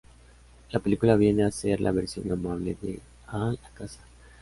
La película viene a ser la "versión amable" de "A la caza".